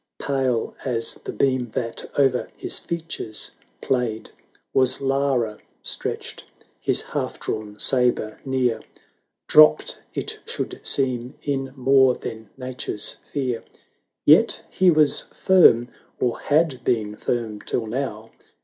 Pale as the beam that o'er his features played Was Lara stretched; his half drawn sabre near. Dropped it should seem in more than Nature's fear; Yet he was firm, or had been firm till now.